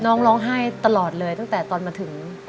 ร้องไห้ตลอดเลยตั้งแต่ตอนมาถึง